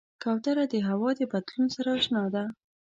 کوتره د هوا د بدلون سره اشنا ده.